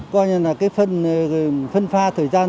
coi như là cái phân pha thời gian